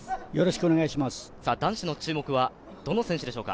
男子の注目はどの選手でしょうか？